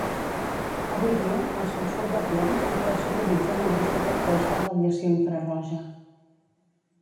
Avui dia el sulfur de plom encara s'utilitza en alguns detectors de radiació infraroja.